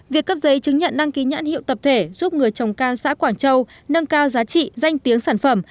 việc cấp giấy chứng nhận đăng ký nhãn hiệu tập thể giúp người trồng cao xã quảng châu nâng cao giá trị danh tiếng sản phẩm